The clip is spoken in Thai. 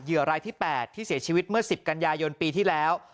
รายที่๘ที่เสียชีวิตเมื่อ๑๐กันยายนปีที่แล้ว